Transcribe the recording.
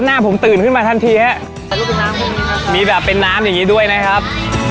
หน้าผมตื่นขึ้นมาทันทีฮะมีแบบเป็นน้ำอย่างงี้ด้วยนะครับ